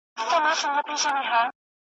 چي د هیڅ هدف لپاره مي لیکلی نه دی